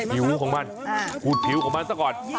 ผิวของมันขูดผิวของมันซะก่อน